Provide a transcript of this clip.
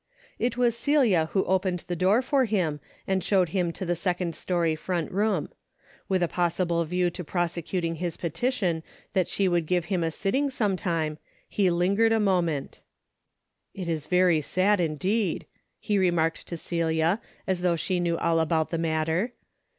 It was Celia who opened the door for him and showed him to the second story front room. With a possible view to prosecuting his petition that she would give him a sitting some time, he lingered a moment. 316 DAILY BATEA' " It is very sad indeed/' he remarked to Celia, as though she knew all about the mat ter.